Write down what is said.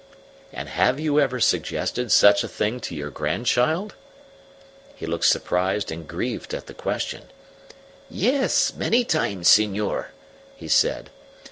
"And have you ever suggested such a thing to your grandchild?" He looked surprised and grieved at the question. "Yes, many times, senor," he said.